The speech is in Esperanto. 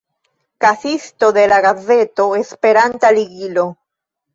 Kasisto de la gazeto Esperanta Ligilo.